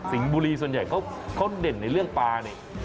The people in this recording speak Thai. บุรีส่วนใหญ่เขาเด่นในเรื่องปลาเนี่ย